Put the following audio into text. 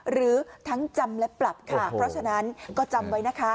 หรือทั้งจำและปรับค่ะเพราะฉะนั้นก็จำไว้นะคะ